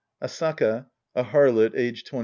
AsAKA, a harlot, aged 26.